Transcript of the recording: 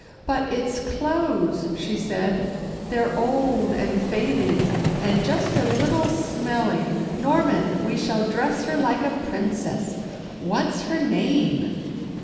"But its clothes," she said, "they're old, and faded, and just a little smelly. Norman, we shall dress her like a princess what's her name?"